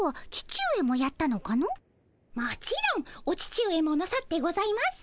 もちろんお父上もなさってございます。